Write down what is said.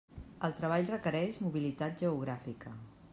El treball requereix mobilitat geogràfica.